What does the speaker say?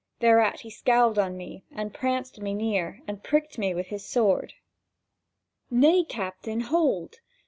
Thereat he scowled on me, and pranced me near, And pricked me with his sword. "Nay, Captain, hold!